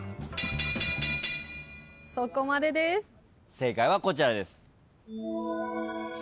正解はこちらです。